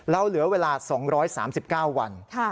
แล้วเหลือเวลา๒๓๙วัน